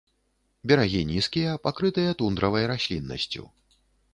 Берагі нізкія, пакрытыя тундравай расліннасцю.